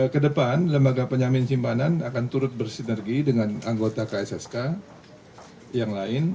ke depan lembaga penjamin simpanan akan turut bersinergi dengan anggota kssk yang lain